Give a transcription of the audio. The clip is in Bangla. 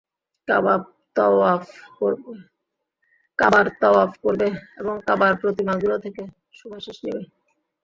কাবার তওয়াফ করবে এবং কাবার প্রতিমাগুলো থেকে শুভাশীষ নিবে।